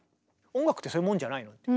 音楽ってそういうもんじゃないの？と。